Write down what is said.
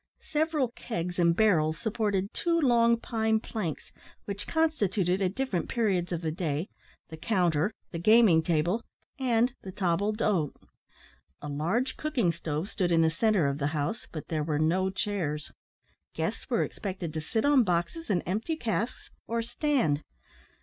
Several kegs and barrels supported two long pine planks which constituted at different periods of the day the counter, the gaming table, and the table d'hote. A large cooking stove stood in the centre of the house, but there were no chairs; guests were expected to sit on boxes and empty casks, or stand.